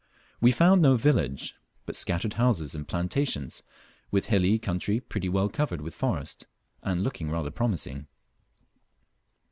We found no village, but scattered houses and plantations, with hilly country pretty well covered with forest, and looking rather promising.